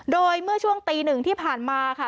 โดยเมื่อช่วงตีหนึ่งที่ผ่านมาค่ะ